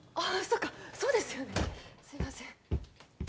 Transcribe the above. そっかそうですよねすいません